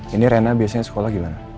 ini rena biasanya sekolah gimana